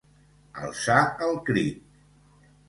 Alçar el crit.